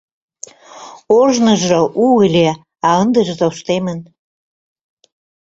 Ожныжо у ыле, а ындыже тоштемын.